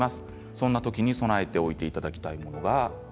そんな時に備えておいていただきたいのが。